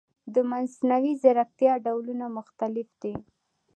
د مصنوعي ځیرکتیا ډولونه مختلف دي.